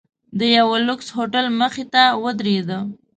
د یوه لوکس هوټل مخې ته ودریده.